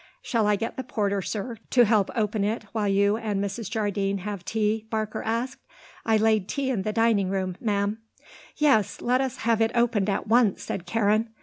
"Shall I get the porter, sir, to help open it while you and Mrs. Jardine have tea?" Barker asked. "I laid tea in the dining room, Ma'am." "Yes; let us have it opened at once," said Karen.